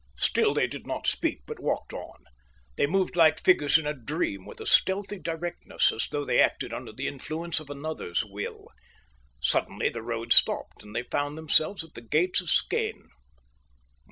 Still they did not speak, but walked on. They moved like figures in a dream, with a stealthy directness, as though they acted under the influence of another's will. Suddenly the road stopped, and they found themselves at the gates of Skene.